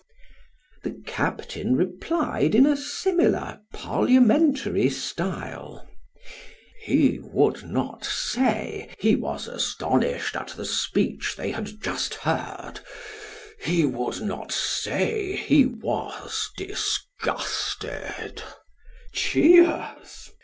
The captain replied in a similar parliamentary style. He would not say, he was astonished at the speech they had just heard ; he would not say, he was disgusted (cheers).